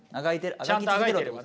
あがき続けろってこと。